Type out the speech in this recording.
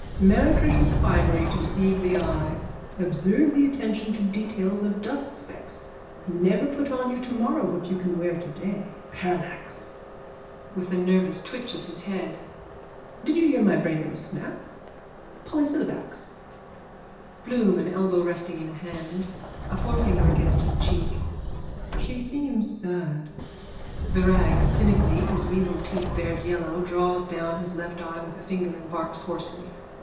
Meretricious finery to deceive the eye. Observe the attention to details of dustspecks. Never put on you tomorrow what you can wear today. Parallax! (With a nervous twitch of his head.) Did you hear my brain go snap? Pollysyllabax! BLOOM: (An elbow resting in a hand, a forefinger against his cheek.) She seems sad. VIRAG: _(Cynically, his weasel teeth bared yellow, draws down his left eye with a finger and barks hoarsely.)